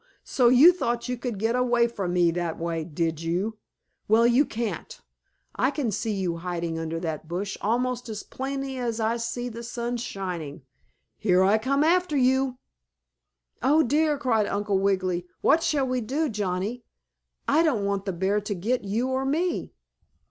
So you thought you could get away from me that way, did you? Well, you can't. I can see you hiding under that bush almost as plainly as I can see the sun shining. Here I come after you." "Oh, dear!" cried Uncle Wiggily. "What shall we do, Johnnie? I don't want the bear to get you or me."